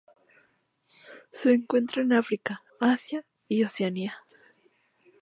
Se encuentra en África, Asia y Oceanía.